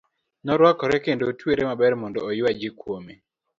Noruakore kendo otwere maber mondo oyua ji kuome.